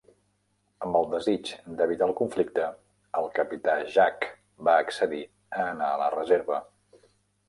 Amb el desig d'evitar el conflicte, el Capità Jack va accedir a anar a la reserva.